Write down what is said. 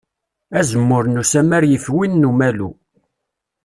Azemmur n usammar yif win n umalu.